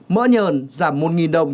mỡ nhờn giảm một đồng